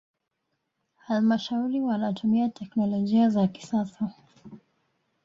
halmashauri wanatumia teknolojia za kisasa